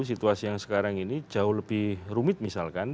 situasi yang sekarang ini jauh lebih rumit misalkan